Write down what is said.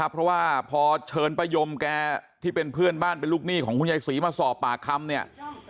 เพราะว่าพอเชิญป้ายมแกที่เป็นเพื่อนบ้านเป็นลูกหนี้ของคุณยายศรีมาสอบปากคำเนี่ย